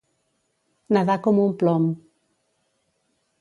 Nedar com un plom.